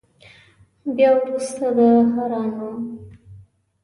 بیا وروسته د حرا نوم.